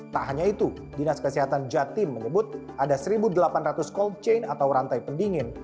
tak hanya itu dinas kesehatan jatim menyebut ada satu delapan ratus cold chain atau rantai pendingin